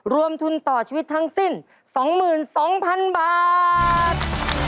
รวมทุนต่อชีวิตทั้งสิ้น๒๒๐๐๐บาท